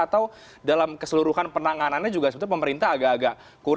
atau dalam keseluruhan penanganannya juga sebetulnya pemerintah ada yang mencari